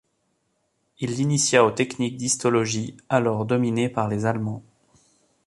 Il l'initia aux techniques d'histologie alors dominées par les Allemands.